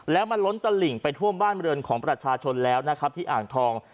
แล้วมันล้นตลิ่งไปท่วมบ้านบริเวณของประชาชนแล้วนะครับที่อ่างทอง